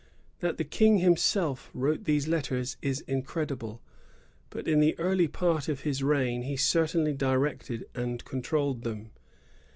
That the King himself wrote these letters is incredible; but in the early part of his reign he certainly directed and controlled them.